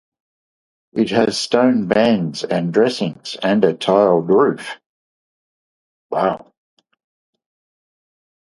It has stone bands and dressings, and a tiled roof.